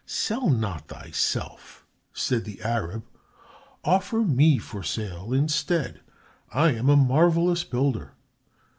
"Sell not thyself," said the Arab. "Offer me for sale instead. I am a marvelous builder.